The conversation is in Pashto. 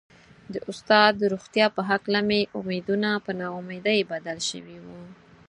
د استاد د روغتيا په هکله مې امېدونه په نا اميدي بدل شوي وو.